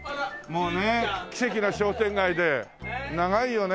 もうね奇跡の商店街で長いよね？